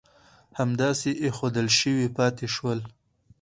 همداسې اېښودل شوي پاتې شول.